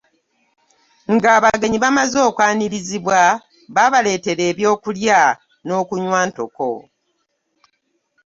Ng'abagenyi bamaze okwanirizibwa baabaleetera ebyokulya n'okunywa ntoko.